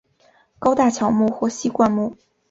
高大乔木或稀灌木。